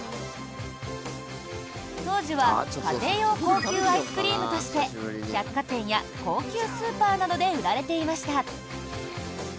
当時は家庭用高級アイスクリームとして百貨店や高級スーパーなどで売られていました。